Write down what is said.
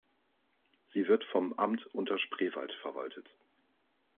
Sie wird vom Amt Unterspreewald verwaltet.